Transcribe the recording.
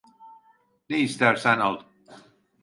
Ne istersen al.